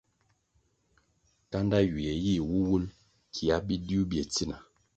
Kanda ywie yih wuwul kia bidiu bye tsina.